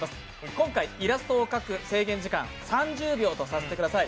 今回イラストを描く制限時間は３０秒とさせてください。